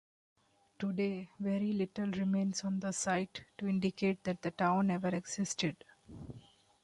Today, very little remains on the site to indicate that the town ever existed.